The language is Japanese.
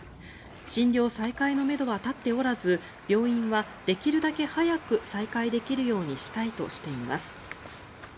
診療再開のめどは立っておらず病院はできるだけ早く再開できるようにしたいとしています。